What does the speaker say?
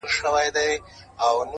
• تا دي کرلي ثوابونه د عذاب وخت ته،